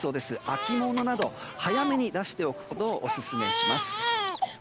秋物など、早めに出しておくことをおススメします。